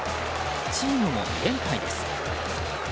チームも２連敗です。